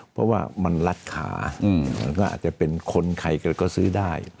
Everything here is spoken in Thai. เพราะว่ามันรัดขามันก็อาจจะเป็นคนใครก็ซื้อได้